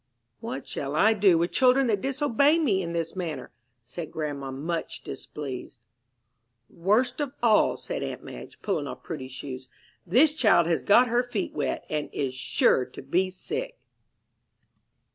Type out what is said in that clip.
"What shall I do with children that disobey me in this manner?" said grandma, much displeased. "Worst of all," said aunt Madge, pulling off Prudy's shoes, "this child has got her feet wet, and is sure to be sick."